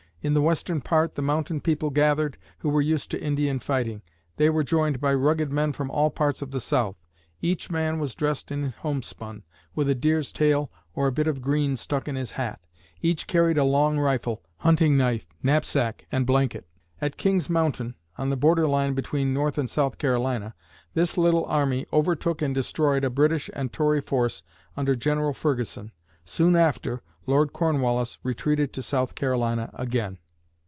In the western part, the mountain people gathered, who were used to Indian fighting. They were joined by rugged men from all parts of the South. Each man was dressed in homespun, with a deer's tail or bit of green stuck in his hat. Each carried a long rifle, hunting knife, knapsack and blanket. At King's Mountain (on the border line between North and South Carolina), this little army overtook and destroyed a British and Tory force under General Ferguson. Soon after, Lord Cornwallis retreated to South Carolina again.